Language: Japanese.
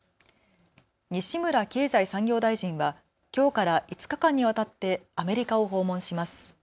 西村経済産業大臣はきょうから５日間にわたってアメリカを訪問します。